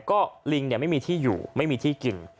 ก็ลิงไม่มีที่อยู่ไม่มีที่กิน